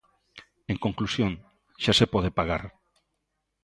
En conclusión, xa se pode pagar.